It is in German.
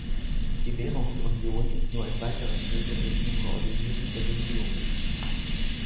Die Währungsunion ist nur ein weiterer Schritt in Richtung Koordinierung der Bemühungen.